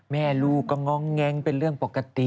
แม่ลูกก็ง้องแง้งเป็นเรื่องปกติ